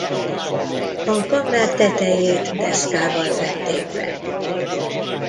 A kamrák tetejét deszkával fedték be.